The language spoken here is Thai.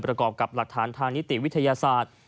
ประกอบกับหลักฐานทางนิติวิทยาศาสตร์